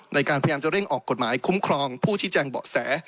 ในการพยายามจะเร่งออกกฎหมายคุ้มครองผู้ชี้แจงเบาะแส